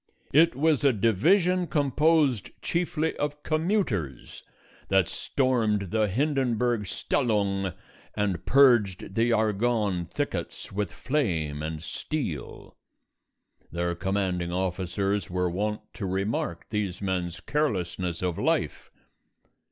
It was a Division composed chiefly of commuters that stormed the Hindenburg Stellung and purged the Argonne thickets with flame and steel. Their commanding officers were wont to remark these men's carelessness of life.